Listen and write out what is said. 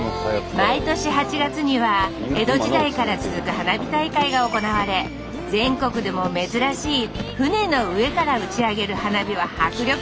毎年８月には江戸時代から続く花火大会が行われ全国でも珍しい船の上から打ち上げる花火は迫力満点です！